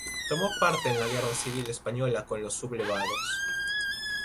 Tomó parte en la guerra civil española con los sublevados.